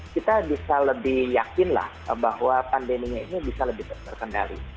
kita bisa lebih yakinlah bahwa pandeminya ini bisa lebih terkendali